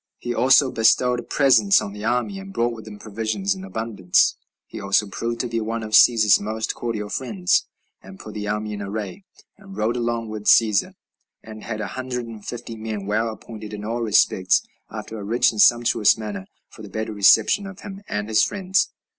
He also bestowed presents on the army, and brought them provisions in abundance. He also proved to be one of Cæsar's most cordial friends, and put the army in array, and rode along with Cæsar, and had a hundred and fifty men, well appointed in all respects, after a rich and sumptuous manner, for the better reception of him and his friends.